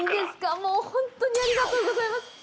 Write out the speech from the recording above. もうほんとにありがとうございます！